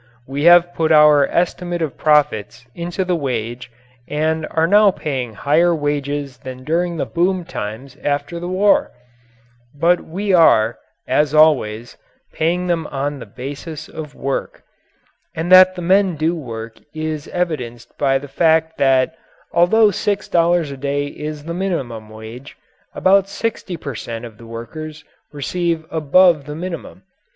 We have put our estimate of profits into the wage and are now paying higher wages than during the boom times after the war. But we are, as always, paying them on the basis of work. And that the men do work is evidenced by the fact that although six dollars a day is the minimum wage, about 60 per cent. of the workers receive above the minimum.